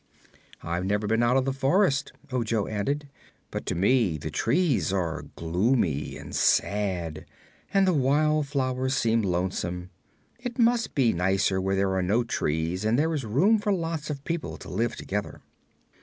"I have never been out of the forest," Ojo added; "but to me the trees are gloomy and sad and the wild flowers seem lonesome. It must be nicer where there are no trees and there is room for lots of people to live together."